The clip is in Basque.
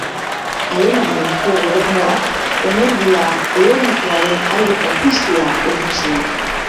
Alemaniako gobernuak energia eolikoaren aldeko apustu egin zuen.